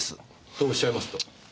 とおっしゃいますと？